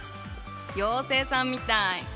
妖精さんみたい。